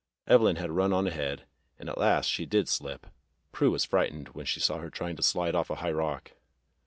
Evelyn had run on ahead, and at last she did slip. Prue was frightened when she saw her trying to slide off a high rock.